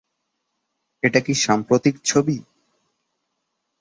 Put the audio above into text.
এটা কি সাম্প্রতিক ছবি?